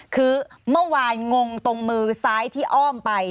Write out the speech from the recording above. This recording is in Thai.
คือเมื่อวานงงตรงมือซ้ายที่อ้อมไป